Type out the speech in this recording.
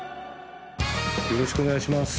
よろしくお願いします。